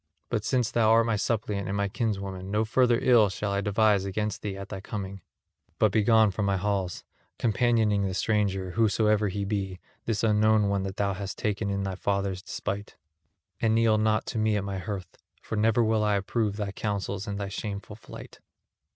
But since thou art my suppliant and my kinswoman, no further ill shall I devise against thee at thy coming; but begone from my halls, companioning the stranger, whosoever he be, this unknown one that thou hast taken in thy father's despite; and kneel not to me at my hearth, for never will I approve thy counsels and thy shameful flight."